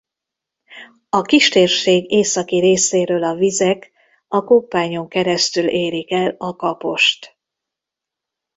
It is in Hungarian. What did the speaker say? A kistérség északi részéről a vizek a Koppányon keresztül érik el a Kapost.